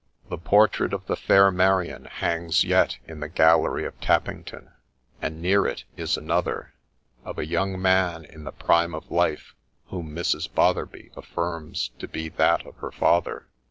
The portrait of the fair Marian hangs yet in the Gallery of Tappington ; and near it is another, of a young man in the prime of life, whom Mrs. Botherby affirms to be that of her rather.